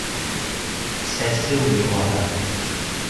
Сәсеү йолаһы